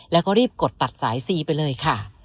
แล้วก็รีบกดตัดสายซีไปเลยค่ะ